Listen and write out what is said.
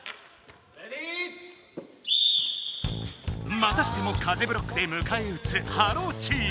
またしても風ブロックでむかえうつハローチーム。